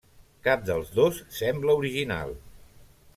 Cap dels dos sembla original.